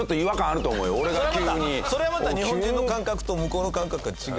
それはまた日本人の感覚と向こうの感覚が違うから。